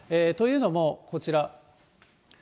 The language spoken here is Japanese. というのもこちら。